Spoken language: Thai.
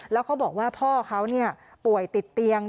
แล้วเขาบอกว่าพ่อเขาป่วยติดเตียง